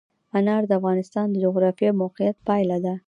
انار د افغانستان د جغرافیایي موقیعت پایله ده.